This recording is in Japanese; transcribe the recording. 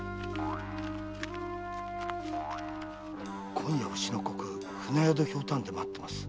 「今夜丑の刻船宿ひょうたんで待ってます。